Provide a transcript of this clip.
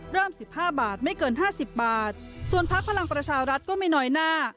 สิบห้าบาทไม่เกิน๕๐บาทส่วนพักพลังประชารัฐก็ไม่น้อยหน้า